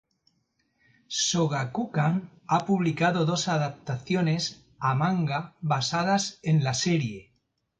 Shogakukan ha publicado dos adaptaciones a manga basadas en la serie.